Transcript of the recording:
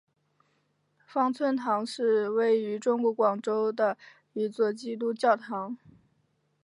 芳村堂是位于中国广州的一座基督教堂。